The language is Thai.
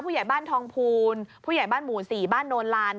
ผู้ใหญ่บ้านทองภูลผู้ใหญ่บ้านหมู่๔บ้านโนนลาน